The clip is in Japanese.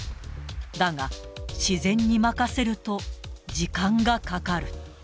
だが、自然に任せると時間がかかる。